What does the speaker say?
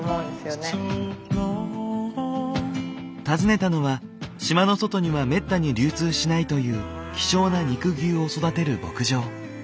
訪ねたのは島の外にはめったに流通しないという希少な肉牛を育てる牧場。